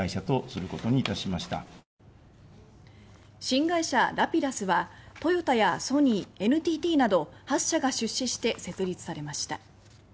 新会社「Ｒａｐｉｄｕｓ」はトヨタやソニー、ＮＴＴなど８社が出資して設立されました。